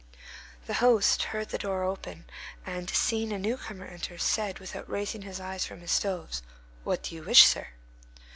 The host, hearing the door open and seeing a newcomer enter, said, without raising his eyes from his stoves:— "What do you wish, sir?"